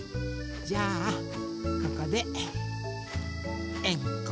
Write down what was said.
じゃあここでえんこっしょ。